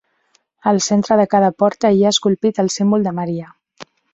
Al centre de cada porta hi ha esculpit el símbol de Maria.